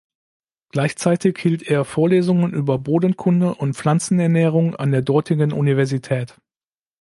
Gleichzeitig hielt er Vorlesungen über Bodenkunde und Pflanzenernährung an der dortigen Universität.